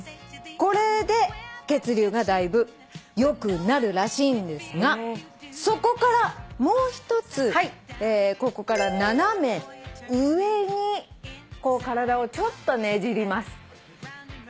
これで血流がだいぶよくなるらしいんですがそこからもう一つここから斜め上に体をちょっとねじります。